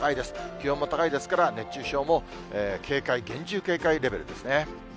気温も高いですから、熱中症も警戒、厳重警戒レベルですね。